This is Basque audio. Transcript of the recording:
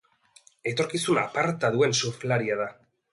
Etorkizun aparta duen surflaria da.